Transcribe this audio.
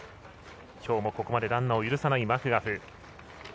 きょうもここまでランナーを許さないマクガフ。